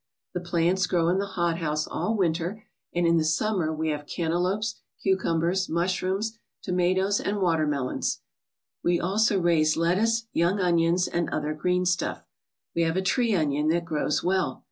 The plants grow in the hothouse all winter and in the summer we have cantaloupes, cucumbers, mushrooms, tomatoes, and watermelons. We also raise lettuce, young onions, and other green stuff. We have a tree onion that grows well.